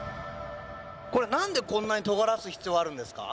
これ何でこんなにとがらす必要あるんですか？